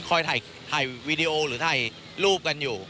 คอยถ่ายวีดีโอหรือถ่ายรูปกันอยู่